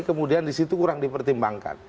kemudian disitu kurang dipertimbangkan